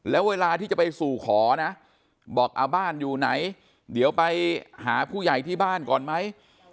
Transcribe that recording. แล้วเวลาที่จะไปสู่ขอนะบอกบ้านอยู่ไหนเดี๋ยวไปหาผู้ใหญ่ที่บ้านก่อนไหม